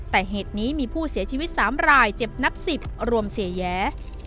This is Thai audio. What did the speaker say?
แต่เหตุนี้มีผู้เสียชีวิต๓รายเจ็บนับ๑๐รวมเสียแย้